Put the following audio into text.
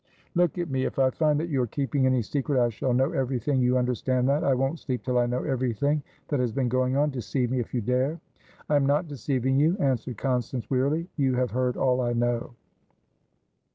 "Look at me! If I find that you are keeping any secret! I shall know everything, you understand that. I won't sleep till I know everything that has been going on. Deceive me, if you dare!" "I am not deceiving you," answered Constance, wearily. "You have heard all I know."